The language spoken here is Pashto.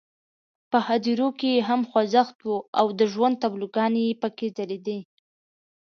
په هدیرو کې یې هم خوځښت وو او د ژوند تابلوګانې پکې ځلېدې.